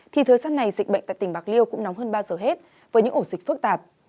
thì thời gian này dịch bệnh tại tỉnh bạc liêu cũng nóng hơn bao giờ hết với những ổ dịch phức tạp